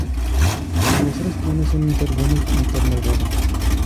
Como los seres humanos, son mitad buenos, mitad malvados.